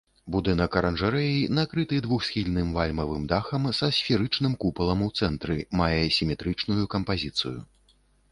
Будынак аранжарэі, накрыты двухсхільным вальмавым дахам са сферычным купалам у цэнтры, мае сіметрычную кампазіцыю.